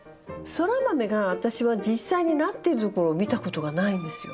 ソラマメが私は実際になってるところを見たことがないんですよ。